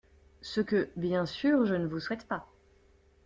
Ce que, bien sûr, je ne vous souhaite pas...